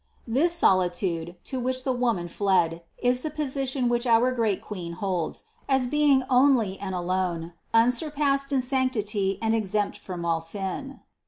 This solitude, to which the Woman fled, is the position which our great Queen holds, as be ing only and alone, unsurpassed in sanctity and exempt from all sin.